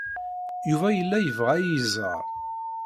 Yuba yella yebɣa ad iyi-iẓer.